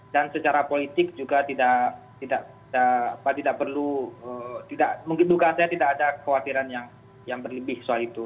dan secara politik juga tidak perlu mungkin dugaan saya tidak ada kekhawatiran yang berlebih soal itu